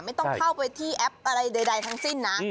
ไม่ต้องเข้าไปที่แอปอะไรใดทั้งสิ้นนะ